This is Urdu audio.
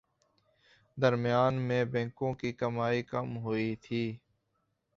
درمیان میں بینکوں کی کمائیاں کم ہوئیں تھیں